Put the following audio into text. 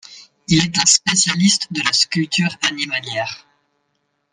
Il est un spécialiste de la sculpture animalière.